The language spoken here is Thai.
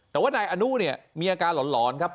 แต่ว่านายอนุเนี่ยมีอาการหลอนครับ